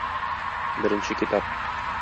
Беренче китап.